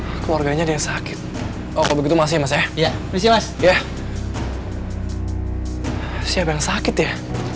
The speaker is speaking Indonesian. keluarganya dia sakit oh begitu masih masih ya berisi mas ya siapa yang sakit ya